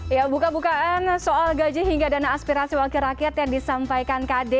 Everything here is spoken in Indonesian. ya buka bukaan soal gaji hingga dana aspirasi wakil rakyat yang disampaikan kd